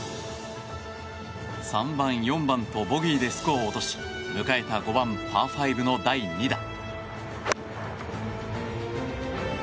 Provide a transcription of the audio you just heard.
３番、４番とボギーでスコアを落とし迎えた５番、パー５の第２打。